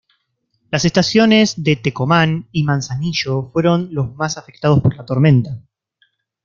Las estaciones de Tecomán y Manzanillo fueron los más afectados por la tormenta.